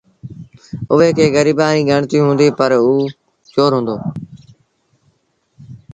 اُئي کي گريبآنٚ ريٚ ڳڻتيٚ هُنٚديٚ پر اوٚ چور هُݩدو۔